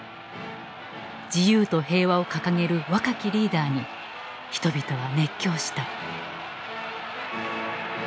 自由と平和を掲げる若きリーダーに人々は熱狂した。